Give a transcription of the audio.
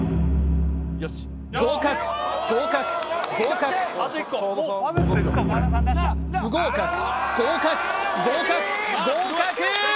合格合格合格不合格合格合格合格！